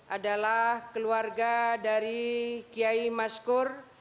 adalah keluarga dari kiai maskur